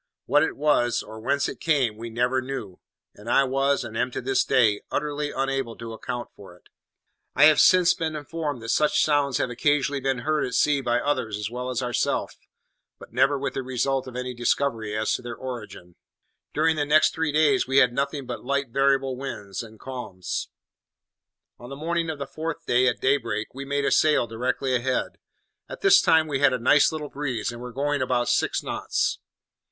What it was, or whence it came, we never knew, and I was, and am to this day, utterly unable to account for it. I have since been informed that such sounds have occasionally been heard at sea by others as well as ourselves, but never with the result of any discovery as to their origin. During the next three days we had nothing but light variable winds, and calms. On the morning of the fourth day, at daybreak, we made a sail directly ahead. At this time we had a nice little breeze, and were going about six knots.